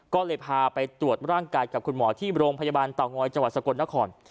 ก็เลยพาไปตรวจร่างกายกับคุณหมอที่โรงพยาบาลเตางอยจังหวัดสกลนคร